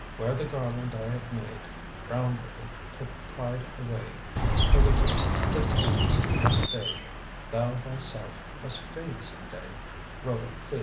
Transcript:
Wear the garland I have made; Crowned with it, put pride away; For the wreath that blooms must fade; Thou thyself must fade some day, Rhodocleia.